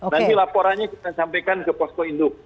nanti laporannya kita sampaikan ke posko induk